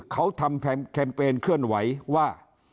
เขาทำแคมเปญเคลื่อนไหวว่า